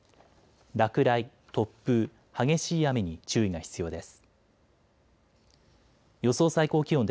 落雷、突風、激しい雨に注意が必要です。